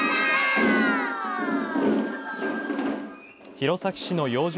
弘前市の養生